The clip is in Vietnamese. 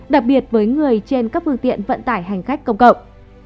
đặc biệt với người trên các phương tiện vận tải hành khách công cộng